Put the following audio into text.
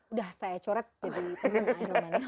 udah saya coret jadi temen aja